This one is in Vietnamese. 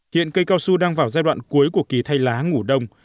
hiện cây cao su đang vào giai đoạn cuối của kỳ thay lá ngủ đông